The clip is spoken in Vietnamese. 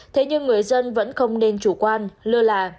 thế nhưng người dân vẫn không nên chủ quan lơ là